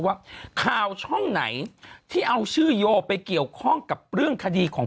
ว่าข่าวช่องไหนที่เอาชื่อโยไปเกี่ยวข้องกับเรื่องคดีของ